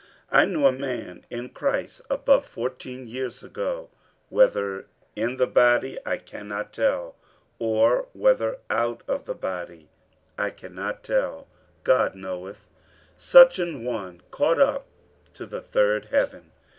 47:012:002 I knew a man in Christ above fourteen years ago, (whether in the body, I cannot tell; or whether out of the body, I cannot tell: God knoweth;) such an one caught up to the third heaven.